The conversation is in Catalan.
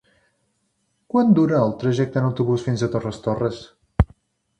Quant dura el trajecte en autobús fins a Torres Torres?